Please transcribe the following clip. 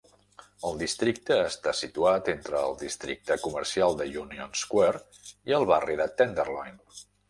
El districte està situat entre el districte comercial de Union Square i el barri de Tenderloin.